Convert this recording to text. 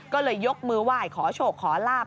ก็เลยยกมือไหว้ขอโชคขอลาบ